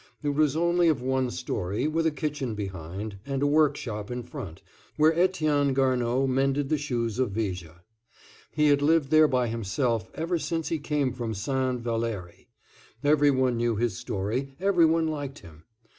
It was only of one story, with a kitchen behind, and a workshop in front, where Etienne Garnaud mended the shoes of Viger. He had lived there by himself ever since he came from St. Valérie; every one knew his story, every one liked him.